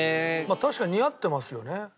確かに似合ってますよね。